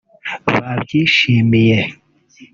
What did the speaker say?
babyishimiye